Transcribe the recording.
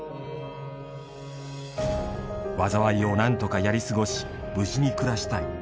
禍をなんとかやり過ごし無事に暮らしたい。